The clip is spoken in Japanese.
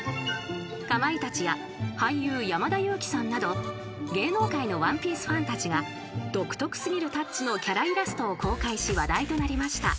［かまいたちや俳優山田裕貴さんなど芸能界の『ワンピース』ファンたちが独特過ぎるタッチのキャライラストを公開し話題となりました］